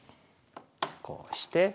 こうして。